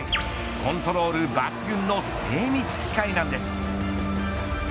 コントロール抜群の精密機械なんです。